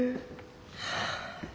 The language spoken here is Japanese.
はあ。